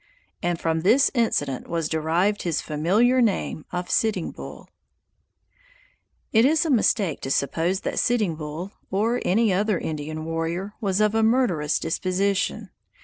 And from this incident was derived his familiar name of Sitting Bull. It is a mistake to suppose that Sitting Bull, or any other Indian warrior, was of a murderous disposition.